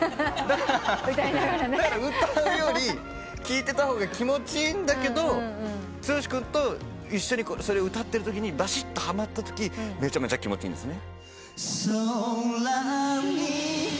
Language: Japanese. だから歌うより聴いてた方が気持ちいいんだけど剛君と一緒にそれを歌ってるときにばしっとはまったときめちゃめちゃ気持ちいいんです。